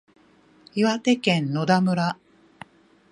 岩手県野田村